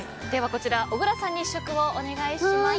こちら、小倉さんに試食をお願いします。